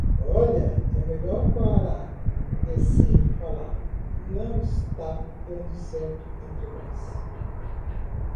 Olha, é melhor parar de se falar... não está dando certo entre nós